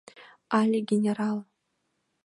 Але генерал?